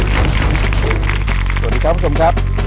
สวัสดีครับคุณผู้ชมครับ